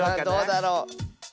どうだろう。